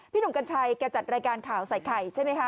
หนุ่มกัญชัยแกจัดรายการข่าวใส่ไข่ใช่ไหมคะ